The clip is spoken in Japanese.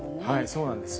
そうなんです。